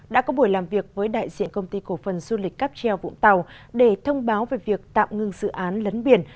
đã có buổi làm việc với đại diện công ty cổ phần du lịch cáp treo vũng tàu để thông báo về việc tạm ngưng dự án lấn biển